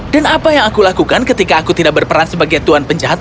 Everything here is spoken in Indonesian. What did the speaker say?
dan apa yang aku lakukan ketika aku tidak berperan sebagai tuan penjahat